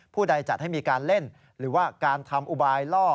ใดจัดให้มีการเล่นหรือว่าการทำอุบายล่อ